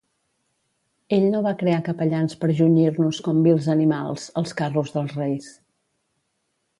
Ell no va crear capellans per junyir-nos com vils animals als carros dels reis